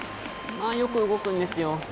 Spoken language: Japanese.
よく動くんですよ。